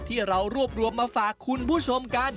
ที่เรารวบรวมมาฝากคุณผู้ชมกัน